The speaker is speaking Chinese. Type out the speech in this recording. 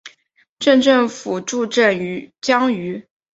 镇政府驻镇江圩。